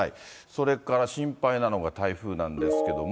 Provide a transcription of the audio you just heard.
それから心配なのが台風なんですけども。